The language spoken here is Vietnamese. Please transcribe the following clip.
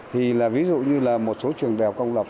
thì là ví dụ như là một số trường đèo công lập